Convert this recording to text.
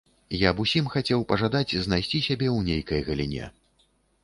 Я б усім хацеў пажадаць знайсці сябе ў нейкай галіне.